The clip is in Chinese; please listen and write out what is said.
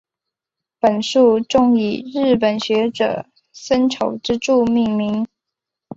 本树种以日本学者森丑之助命名。